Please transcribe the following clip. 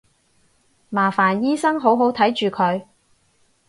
麻煩醫生好好睇住佢